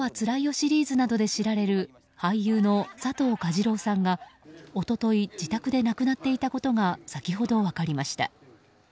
シリーズなどで知られる俳優の佐藤蛾次郎さんが一昨日、自宅で亡くなっていたことが先ほど分かりました。